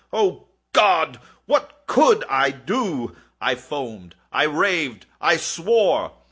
Oh God! what could I do? I foamed—I raved—I swore!